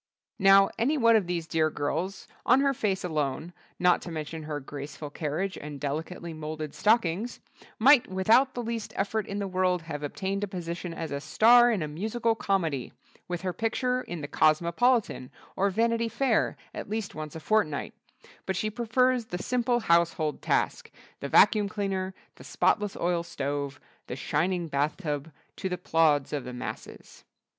Now, any one of these dear girls, on her face alone—not to mention her graceful carriage and delicately moulded stockings—might without the least effort in the world have obtained a position as a Star in a Musical Comedy—with her picture in the Cosmopolitan or Vanity Fair at least once a fortnight—but she prefers the simple household task, the vacuum cleaner, the spotless oil stove, the shining bathtub to the plaudits of the masses.